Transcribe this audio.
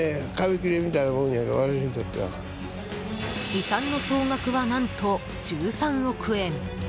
遺産の総額は何と１３億円。